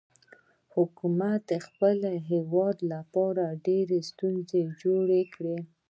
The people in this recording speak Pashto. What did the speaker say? حکومت د خلکو او هیواد لپاره ډیرې ستونزې جوړې کړي.